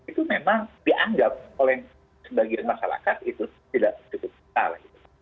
itu memang dianggap oleh sebagian masyarakat itu tidak cukupal